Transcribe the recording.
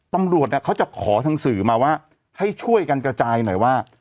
ตำรวจเนี่ยเขาจะขอทางสื่อมาว่าให้ช่วยกันกระจายหน่อยว่า